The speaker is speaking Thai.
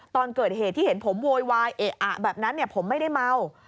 ตอนเกิดเหตุที่เห็นผมโวยวายเอะอะแบบนั้นผมไม่ได้เมา